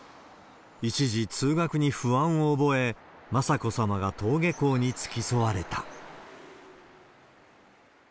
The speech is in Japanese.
一時、通学に不安を覚え、雅子さまが登下校に付き添われた。